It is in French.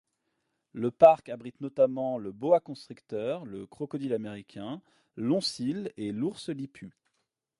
Le parc abrite notamment le boa constricteur, le crocodile américain, l'oncille et l'ours lippu.